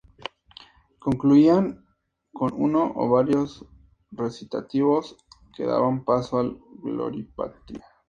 Concluían con uno o varios recitativos que daban paso al "Gloria Patri".